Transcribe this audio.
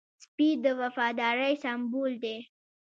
سپي د وفادارۍ سمبول دی.